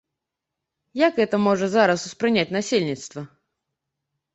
Як гэта можа зараз успрыняць насельніцтва?